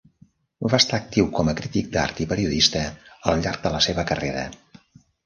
Va estar actiu com a crític d'art i periodista al llarg de la seva carrera.